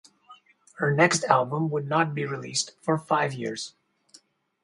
Her next album would not be released for five years.